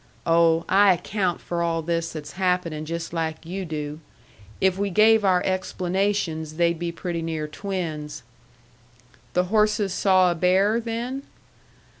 "Oh, I account for all this that's happening just like you do. If we gave our explanations, they'd be pretty near twins." "The horses saw a bear, then?"